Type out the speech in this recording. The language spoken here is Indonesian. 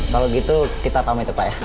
kalau gitu kita paham itu pak ya